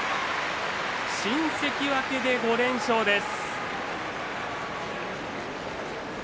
新関脇で５連勝です。